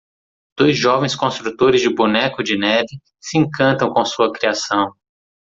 Dois jovens construtores de Boneco de Neve se encantam com sua criação.